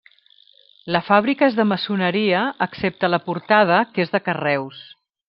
La fàbrica és de maçoneria excepte la portada que és de carreus.